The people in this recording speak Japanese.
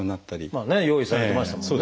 用意されてましたもんね